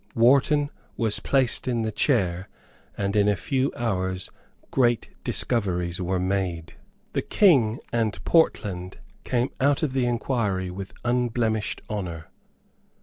Wharton was placed in the chair; and in a few hours great discoveries were made. The King and Portland came out of the inquiry with unblemished honour.